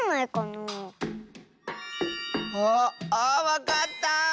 ああっわかった！